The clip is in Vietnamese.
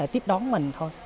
tiếp đón mình thôi